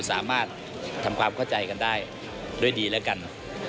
สามารถทำความเข้าใจกันได้ด้วยดีแล้วกัน